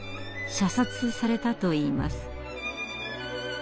射殺されたといいます。